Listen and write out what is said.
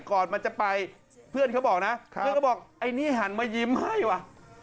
ก่อนมันจะไปเพื่อนเขาบอกนะเพื่อนก็บอกไอ้นี่หันมายิ้มให้ว่ะ